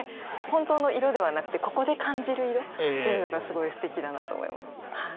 本当の色ではなくてここで感じる色というのがすごいすてきだなと思います。